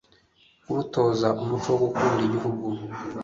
kurutoza umuco wo gukunda igihugu